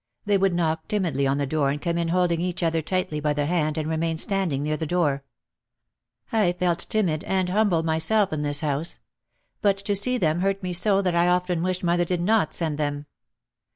They would knock timidly on the door and come in holding each other tightly by the hand and remain standing near the door. I felt timid and humble myself in this house. But to see them hurt me so that I often wished mother did not send them. Mrs.